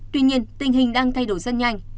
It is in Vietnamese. tuy nhiên tình hình đang thay đổi rất nhanh